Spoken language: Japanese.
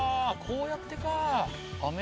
こうやってかぁ。